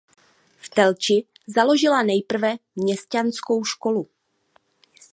V Telči založila nejprve měšťanskou školu.